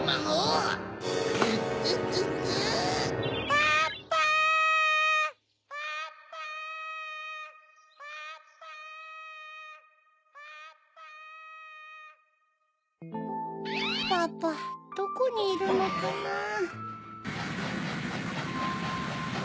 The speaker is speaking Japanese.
・パパどこにいるのかなぁ。